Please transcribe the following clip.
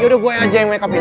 yaudah gue aja yang make up in